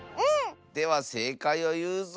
ではせいかいをいうぞ！